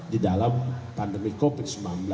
di dalam pandemi covid sembilan belas